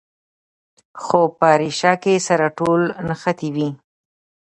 خو په ریښه کې سره ټول نښتي وي.